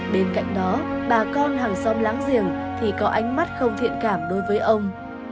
bên cạnh đó bà con hàng xóm láng giềng thì có ánh mắt không thiện cảm đối với ông